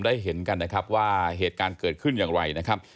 เห็นกันนะครับว่าเหตุการณ์เกิดขึ้นอย่างไรนะครับ